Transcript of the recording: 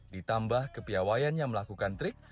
ditambah kepiawayan yang melakukan trik